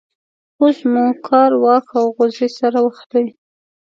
اوس مو کار واښ او غوزی سره وختی.